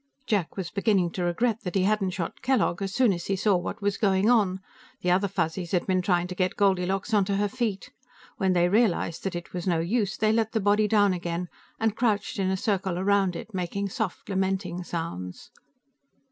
Jack was beginning to regret that he hadn't shot Kellogg as soon as he saw what was going on. The other Fuzzies had been trying to get Goldilocks onto her feet. When they realized that it was no use, they let the body down again and crouched in a circle around it, making soft, lamenting sounds.